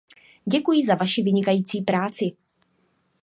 Děkuji za vaši vynikající práci.